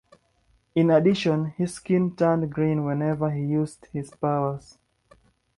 In addition, his skin turned green whenever he used his powers.